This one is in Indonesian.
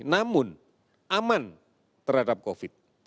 namun aman terhadap covid sembilan belas